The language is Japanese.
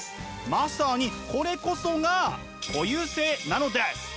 まさにこれこそが固有性なのです。